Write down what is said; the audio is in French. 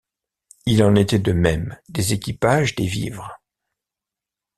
Il en était de même des équipages des vivres.